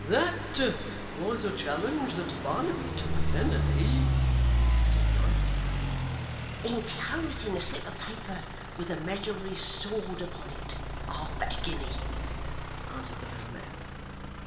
'That was a challenge that Barnaby took then, eh?' said John. ' Inclosing a slip of paper with the measure of his sword upon it, I'll bet a guinea,' answered the little man.